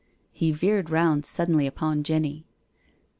He veered round suddenly upon Jenny.